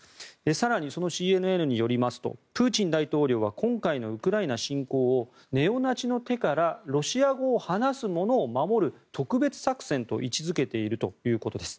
更に、そのＣＮＮによりますとプーチン大統領は今回のウクライナ侵攻をネオナチの手からロシア語を話す者を守る特別作戦と位置付けているということです。